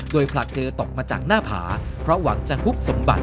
โดยผลักเธอตกมาจากหน้าผาเพราะหวังจะฮุบสมบัติ